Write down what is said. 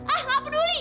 ah nggak peduli